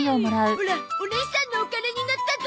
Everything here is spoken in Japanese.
オラおねいさんのお金になったゾ！